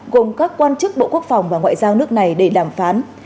gồm các quan chức bộ quốc phòng và ngoại giao nước này để đàm phán